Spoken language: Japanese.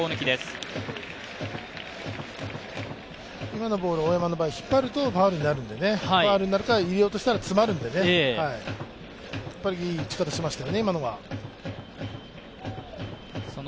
今のボール、大山の場合、引っ張るとファウルになるから入れようとしたら詰まるんでね、いい打ち方しました。